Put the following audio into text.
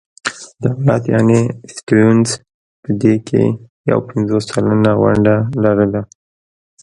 دولت یعنې سټیونز په دې کې یو پنځوس سلنه ونډه لرله.